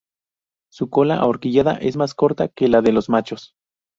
Su cola ahorquillada es más corta que la de los machos.